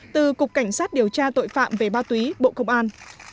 từ cục cảnh sát điều tra tội phạm về ma túy bộ công an